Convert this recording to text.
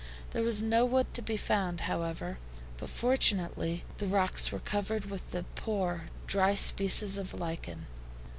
There was no wood to be found, however, but fortunately the rocks were covered with a poor, dry species of lichen.